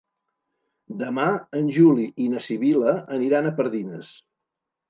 Demà en Juli i na Sibil·la aniran a Pardines.